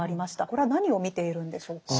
これは何を見ているんでしょうか？